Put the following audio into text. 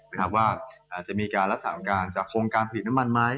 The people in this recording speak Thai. หรือว่าจะมีการและสามการจะคงการผลิตน้ำมันไหม